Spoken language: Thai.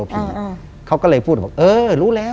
เป๊ะเป๊ะเป๊ะเป๊ะเป๊ะเป๊ะเป๊ะเป๊ะเป๊ะเป๊ะ